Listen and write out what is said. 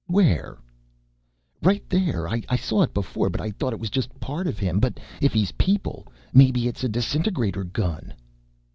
"Where?" "Right there. I saw it before but I thought it was just part of him. But if he's 'people,' maybe it's a disintegrator gun."